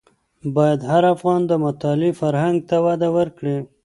باید هر افغان د مطالعې فرهنګ ته وده ورکړي.